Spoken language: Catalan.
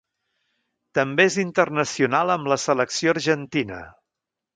També és internacional amb la selecció argentina.